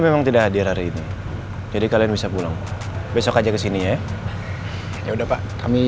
memang tidak hadir hari ini jadi kalian bisa pulang besok aja kesini ya udah pak kami